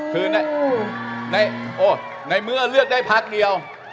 คือในเมื่อเลือกได้พักเดียว